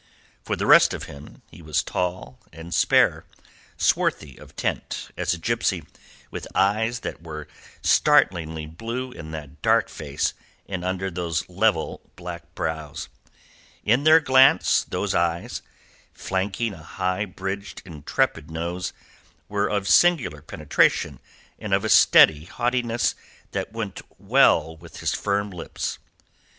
For the rest of him, he was tall and spare, swarthy of tint as a gipsy, with eyes that were startlingly blue in that dark face and under those level black brows. In their glance those eyes, flanking a high bridged, intrepid nose, were of singular penetration and of a steady haughtiness that went well with his firm lips.